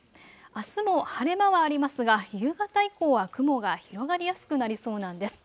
あすも晴れ間はありますが夕方以降は雲が広がりやすくなりそうなんです。